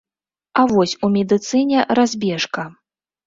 А вось у медыцыне разбежка.